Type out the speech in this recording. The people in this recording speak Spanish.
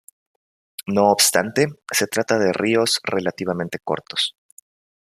No obstante, se trata de ríos relativamente cortos.